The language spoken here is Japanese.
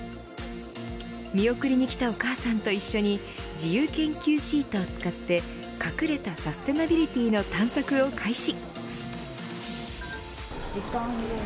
見送りに来たお母さんと一緒に自由研究シートを使って隠れたサスティナビリティーの探索を開始。